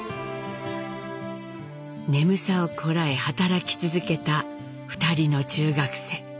眠さをこらえ働き続けた２人の中学生。